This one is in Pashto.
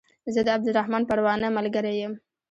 زه د عبدالرحمن پروانه ملګری يم